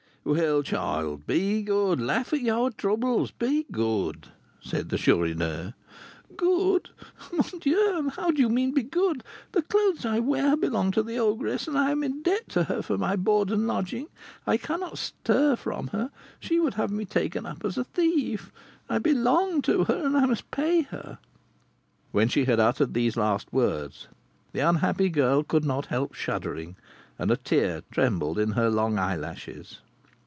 "Well, child, be good laugh at your troubles be good," said the Chourineur. "Good! mon Dieu! and how do you mean be good? The clothes I wear belong to the ogress, and I am in debt to her for my board and lodging. I can't stir from her; she would have me taken up as a thief. I belong to her, and I must pay her." When she had uttered these last words, the unhappy girl could not help shuddering, and a tear trembled in her long eyelashes.